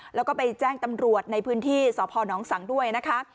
แล้วก็ไปแจ้งตำรวจในพื้นที่สพนสังด้วยนะคะ